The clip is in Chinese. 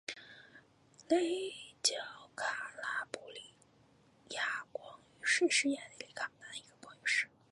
雷焦卡拉布里亚广域市是意大利卡拉布里亚的一个广域市。